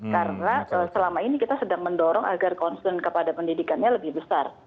karena selama ini kita sedang mendorong agar concern kepada pendidikannya lebih besar